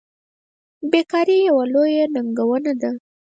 بیکاري یوه لویه ننګونه ده.